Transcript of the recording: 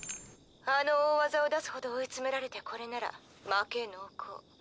あの大技を出すほど追い詰められてこれなら負け濃厚。